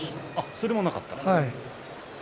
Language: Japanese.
それもなかった。